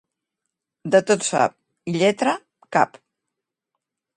De tot sap, i lletra, cap.